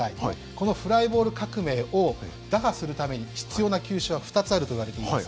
このフライボール革命を打破するために必要な球種は２つあるといわれています。